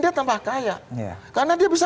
dia tambah kaya karena dia bisa